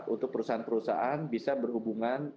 untuk perusahaan perusahaan bisa berhubungan